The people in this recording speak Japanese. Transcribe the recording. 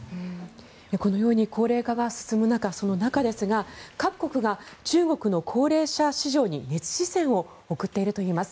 このように高齢化が進む中その中ですが各国が中国の高齢者市場に熱視線を送っているといいます。